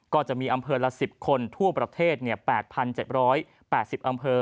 ก็จะมีอำเภอละ๑๐คนทั่วประเทศ๘๗๘๐อำเภอ